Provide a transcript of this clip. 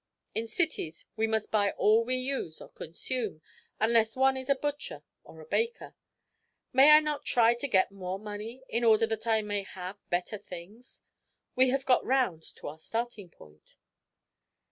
In cities we must buy all we use or consume, unless one is a butcher or a baker. May I not try to get more money, in order that I may have better things? We have got round to our starting point."